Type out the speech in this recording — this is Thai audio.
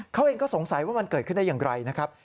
เขาเองก็สงสัยว่ามันเกิดขึ้นได้อย่างไรนะครับ